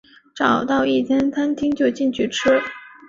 找到一间餐厅就进去吃